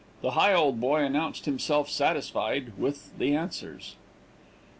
The Higholdboy announced himself satisfied with the answers.